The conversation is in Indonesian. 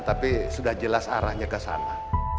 tapi sudah jelas arahnya ke sana